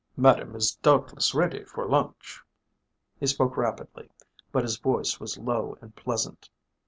"Madame is doubtless ready for lunch." He spoke rapidly, but his voice was low and pleasant.